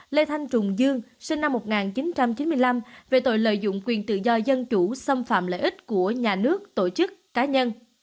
lê thanh trùng dương sinh năm một nghìn chín trăm chín mươi năm về tội lợi dụng quyền tự do dân chủ xâm phạm lợi ích của nhà nước tổ chức cá nhân